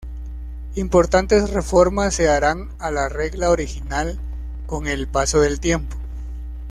Importantes reformas se harán a la regla original con el paso del tiempo.